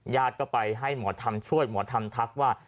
ญาติก็ไปให้หมอทำช่วยหมอทำทักว่า